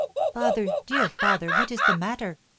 "Father! dear father! what is the matter?"